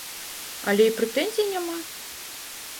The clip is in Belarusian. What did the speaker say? Але і прэтэнзій няма!